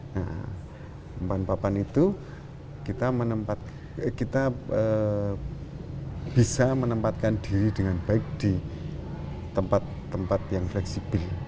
nah papan papan itu kita bisa menempatkan diri dengan baik di tempat tempat yang fleksibel